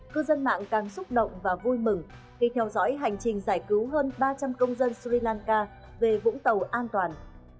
cư dân mạng càng xúc động và vui mừng khi theo dõi hành trình giải cứu hơn ba trăm linh công dân sri lanka về vũng tàu an toàn